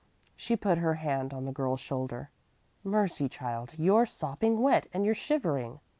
She put her hand on the girl's shoulder. "Mercy, child, you're sopping wet, and you're shivering!